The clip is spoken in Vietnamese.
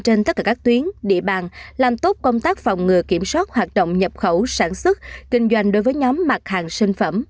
trên tất cả các tuyến địa bàn làm tốt công tác phòng ngừa kiểm soát hoạt động nhập khẩu sản xuất kinh doanh đối với nhóm mặt hàng sinh phẩm